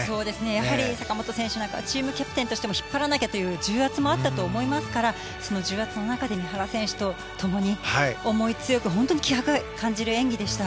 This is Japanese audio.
やはり坂本選手はチームキャプテンとしても引っ張らなきゃという重圧もあったと思いますからその重圧の中で三原選手と共に思い強く気迫を感じる演技でした。